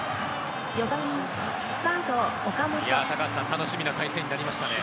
楽しみな対戦になりましたね。